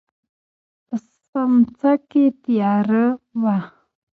په سمڅه کې تياره وه.